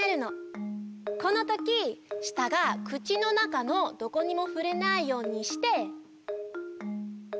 このときしたが口の中のどこにもふれないようにして。